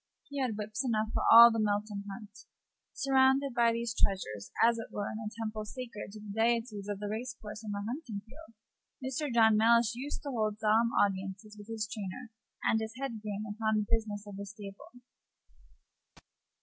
He had whips enough for half the Melton Hunt. Surrounded by these treasures, as it were in a temple sacred to the deities of the race course and the hunting field, Mr. John Mellish used to hold solemn audiences with his trainer and his head groom upon the business of the stable.